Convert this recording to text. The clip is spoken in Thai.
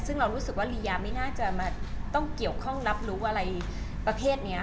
ซึ่งเรารู้สึกว่ารียาไม่น่าจะมาต้องเกี่ยวข้องรับรู้อะไรประเภทนี้